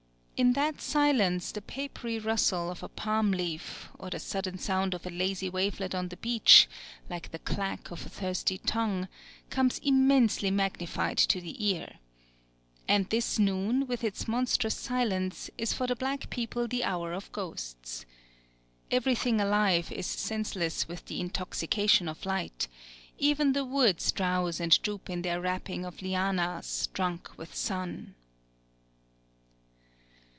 In that silence the papery rustle of a palm leaf, or the sudden sound of a lazy wavelet on the beach, like the clack of a thirsty tongue, comes immensely magnified to the ear. And this noon, with its monstrous silence, is for the black people the hour of ghosts. Everything alive is senseless with the intoxication of light; even the woods drowse and droop in their wrapping of lianas, drunk with sun....